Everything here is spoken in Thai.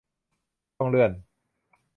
ต้องเลื่อน